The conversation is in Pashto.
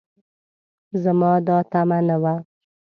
زما دا تمعه نه وه